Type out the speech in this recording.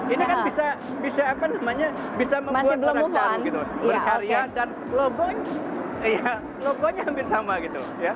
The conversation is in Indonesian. ini kan bisa membuat para caru berkarya dan logo nya hampir sama gitu